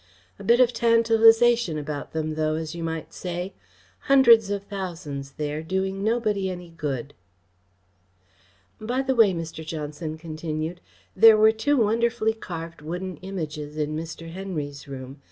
"A bit of tantalisation about them, though, as you might say. Hundreds of thousands there, doing nobody any good." "By the way," Mr. Johnson continued, "there were two wonderfully carved wooden Images in Mr. Henry's room.